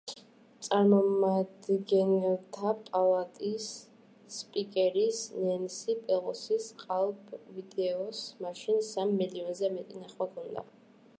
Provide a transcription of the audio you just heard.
წარმომადგენელთა პალატის სპიკერის ნენსი პელოსის ყალბ ვიდეოს, მაშინ სამ მილიონზე მეტი ნახვა ჰქონდა.